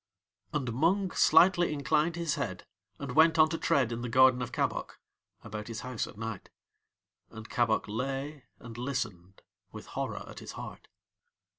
And Mung slightly inclined his head, and went on to tread in the garden of Kabok, about his house at night. And Kabok lay and listened with horror at his heart.